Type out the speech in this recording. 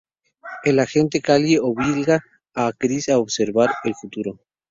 La agente Callie obliga a Cris a observar el futuro.